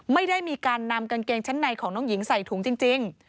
ไม่ได้มีการนำกางเกงชั้นในของน้องหญิงใส่ถุงจริง